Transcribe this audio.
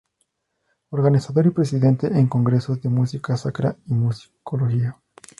Organizador y presidente en congresos de música sacra y musicología.